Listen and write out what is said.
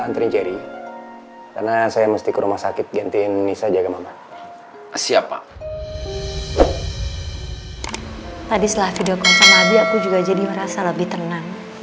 tadi setelah videokon sama abi aku juga jadi merasa lebih tenang